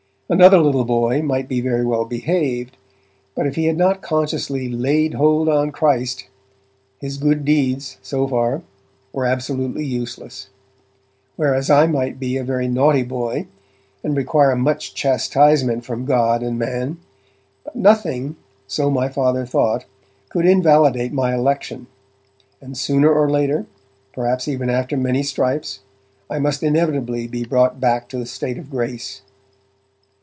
Another little boy might be very well behaved, but if he had not consciously 'laid hold on Christ', his good deeds, so far, were absolutely useless. Whereas I might be a very naughty boy, and require much chastisement from God and man, but nothing so my Father thought could invalidate my election, and sooner or later, perhaps even after many stripes, I must inevitably be brought back to a state of grace.